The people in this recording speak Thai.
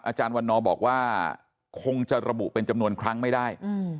อาจารย์วันนอบอกว่าคงจะระบุเป็นจำนวนครั้งไม่ได้